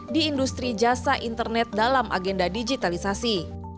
di industri jasa internet dalam agenda digitalisasi